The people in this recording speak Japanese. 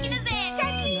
シャキン！